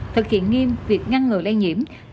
thực hiện nghiêm việc ngăn ngừa lây dựng